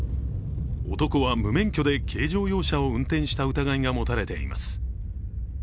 男は無免許で軽乗用車を運転した疑いが持たれています。